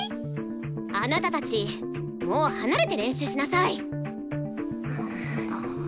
あなたたちもう離れて練習しなさい！